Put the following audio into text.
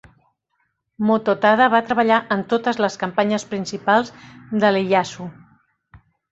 Mototada va treballar en totes les campanyes principals de Ieyasu.